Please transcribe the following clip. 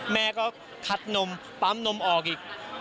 แม่ก็คัดนมปั๊มนมออกอีก